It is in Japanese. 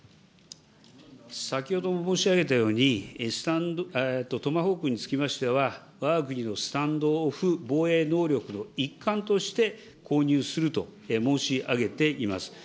先ほども申し上げたように、トマホークにつきましては、わが国のスタンド・オフ防衛能力の一環として購入すると申し上げています。